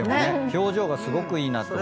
表情がすごくいいなと。